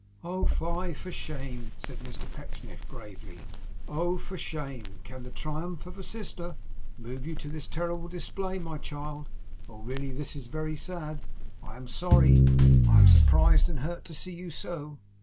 'Oh, fie! For shame!' said Mr Pecksniff, gravely. 'Oh, for shame! Can the triumph of a sister move you to this terrible display, my child? Oh, really this is very sad! I am sorry; I am surprised and hurt to see you so.